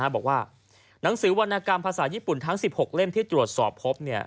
บอกว่าหนังสือวรรณกรรมภาษาญี่ปุ่นทั้ง๑๖เล่มที่ตรวจสอบพบ